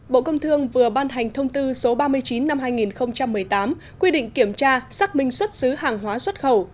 bộ công thương vừa ban hành thông tư số ba mươi chín năm hai nghìn một mươi tám quy định kiểm tra xác minh xuất xứ hàng hóa xuất khẩu